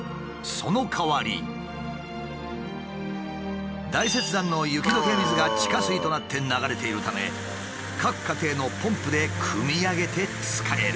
そのかわり大雪山の雪解け水が地下水となって流れているため各家庭のポンプでくみ上げて使える。